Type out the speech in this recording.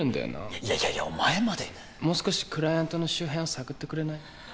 いやいやいやお前までもう少しクライアントの周辺を探ってくれない？